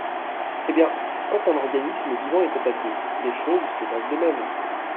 Eh bien, quand un organisme vivant est attaqué, les choses se passent de même.